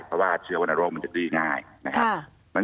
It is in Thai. เพราะว่าเชื้อวันโรคจะดีง่าย